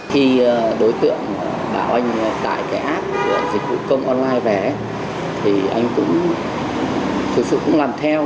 khi đối tượng bảo anh tải cái app của dịch vụ công online về thì anh cũng thực sự cũng làm theo